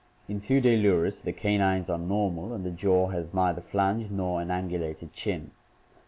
In Pseudaiurus the canines are normal and the jaw has neither flange nor an angulated chin.